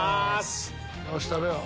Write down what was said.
よし食べよう。